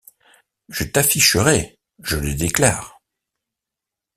Je t’afficherai, je le déclare.